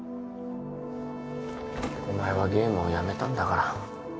お前はゲームをやめたんだから